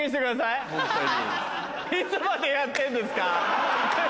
いつまでやってんですか？